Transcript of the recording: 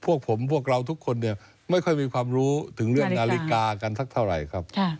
พวกผมพวกเราทุกคนเนี่ยไม่ค่อยมีความรู้ถึงเรื่องนาฬิกากันสักเท่าไหร่ครับ